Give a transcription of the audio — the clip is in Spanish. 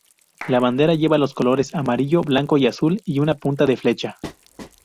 La bandera lleva los colores amarillo, blanco y azul y una punta de flecha.